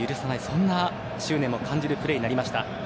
そんな執念も感じるプレーになりました。